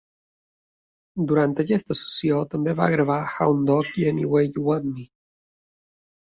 Durant aquesta sessió també va gravar "Hound Dog" i "Any Way You Want Me".